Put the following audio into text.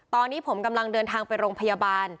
ตอนนี้ผมกำลังเดินทางไปโรงพยาบาล